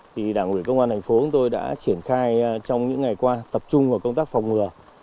thì đảng ủy công an thành phố của tôi đã triển khai trong những ngày qua tập trung vào công tác phòng ngừa